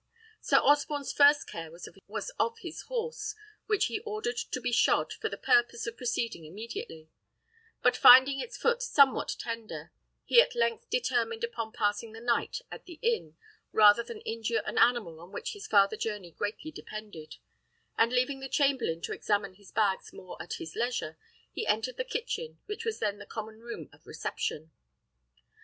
Sir Osborne's first care was of his horse, which he ordered to be shod, for the purpose of proceeding immediately; but finding its foot somewhat tender, he at length determined upon passing the night at the inn rather than injure an animal on which his farther journey greatly depended; and leaving the chamberlain to examine his bags more at his leisure, he entered the kitchen, which was then the common room of reception.